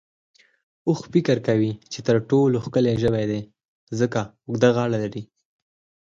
اوښ فکر کوي چې تر ټولو ښکلی ژوی دی، ځکه چې اوږده غاړه لري.